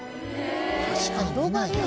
確かに見ないな。